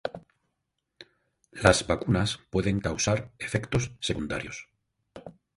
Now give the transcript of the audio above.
las vacunas pueden causar efectos secundarios